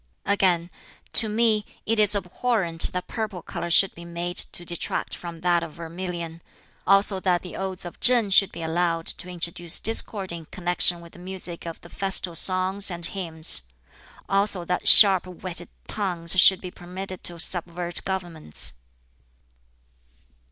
Again, "To me it is abhorrent that purple color should be made to detract from that of vermilion. Also that the Odes of Ch'ing should be allowed to introduce discord in connection with the music of the Festal Songs and Hymns. Also that sharp whetted tongues should be permitted to subvert governments."